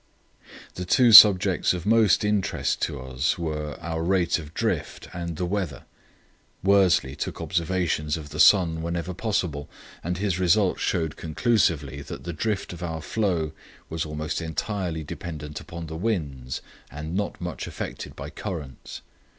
The two subjects of most interest to us were our rate of drift and the weather. Worsley took observations of the sun whenever possible, and his results showed conclusively that the drift of our floe was almost entirely dependent upon the winds and not much affected by currents.